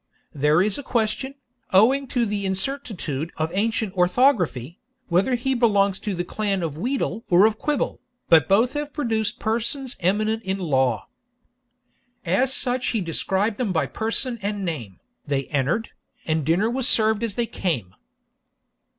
There is a question, owing to the incertitude of ancient orthography, whether he belongs to the clan of Wheedle or of Quibble, but both have produced persons eminent in the law.' As such he described them by person and name, They enter'd, and dinner was served as they came.